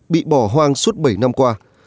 bị bỏ hoang suốt bảy năm qua